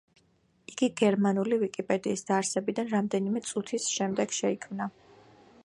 იგი გერმანული ვიკიპედიის დაარსებიდან რამდენიმე წუთის შემდეგ შეიქმნა.